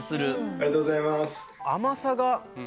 ありがとうございます。